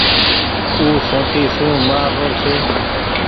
او سوٽي سون مآر رو ڇي۔